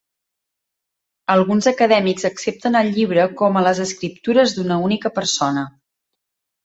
Alguns acadèmics accepten el llibre com a les escriptures d'una única persona.